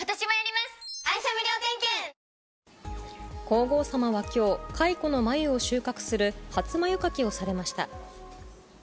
皇后さまは今日、蚕の繭を収穫する、初繭掻きをされました。